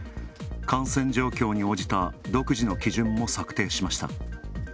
感染状況に応じた独自の基準も策定しました。